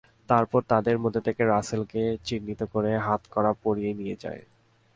তারপর তাঁদের মধ্য থেকে রাসেলকে চিহ্নিত করে হাতকড়া পরিয়ে নিয়ে যায়।